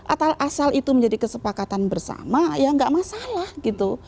asal asal itu menjadi kesepakatan bersama ya nggak masalah gitu